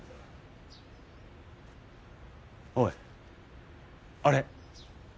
おいあれ。